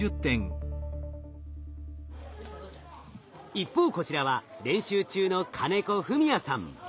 一方こちらは練習中の金子史哉さん。